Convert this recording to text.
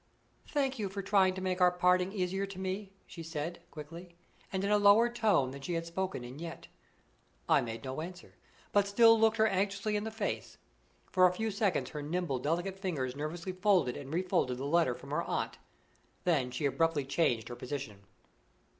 "Thank you for trying to make our parting easier to me," she said, quickly, and in a lower tone than she had spoken in yet. I made no answer, but still looked her anxiously in the face. For a few seconds her nimble delicate fingers nervously folded and refolded the letter from her aunt, then she abruptly changed her position.